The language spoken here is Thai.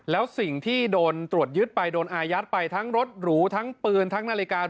แล้วสิ่งที่โดนตรวจยึดไปโดนอายัดไปทั้งรถหรูทั้งปืนทั้งนาฬิกา